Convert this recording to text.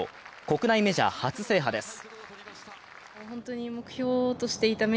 国内メジャー初制覇です。